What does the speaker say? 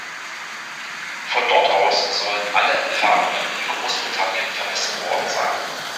Von dort aus sollen alle Entfernungen in Großbritannien vermessen worden sein.